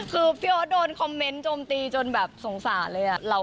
คือพี่ออสโดนคอมเมนต์โจมตีจนแบบสงสารเลย